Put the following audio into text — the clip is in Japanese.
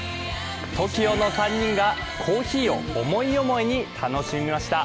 ＴＯＫＩＯの３人が、コーヒーを思い思いに楽しみました。